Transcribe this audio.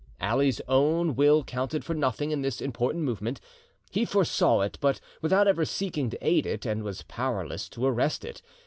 Ali's own will counted for nothing in this important movement. He foresaw it, but without ever seeking to aid it, and was powerless to arrest it.